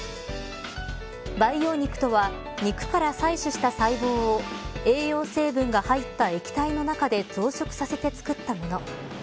培養肉とは肉から採取した細胞を栄養成分が入った液体の中で増殖させて作ったもの。